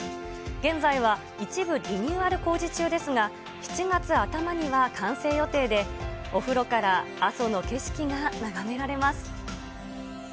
現在は一部リニューアル工事中ですが、７月頭には完成予定で、お風呂から阿蘇の景色がながめられます。